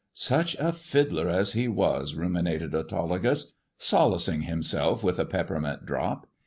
" Such a fiddler as he was," ruminated Autolycus, solacing himself with a peppermint drop.